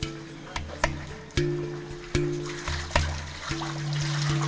yang tertekan pada jubilannya adalah mengendalikan pengelolaan dengan suku yang bulbarlangan